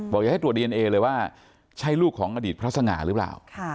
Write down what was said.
อย่าให้ตรวจดีเอนเอเลยว่าใช่ลูกของอดีตพระสง่าหรือเปล่า